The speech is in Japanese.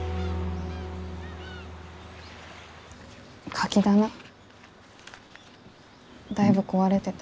カキ棚だいぶ壊れてた。